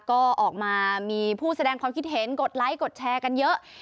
ก็ออกมามีผู้แสดงความคิดเห็นกดไลค์กดแชร์กันเยอะ